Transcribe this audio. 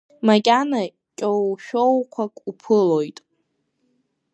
Макьана кьоушәоуқәак уԥылоит.